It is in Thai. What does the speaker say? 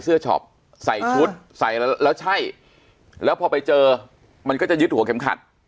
ช็อปใส่ชุดใส่แล้วใช่แล้วพอไปเจอมันก็จะยึดหัวเข็มขัด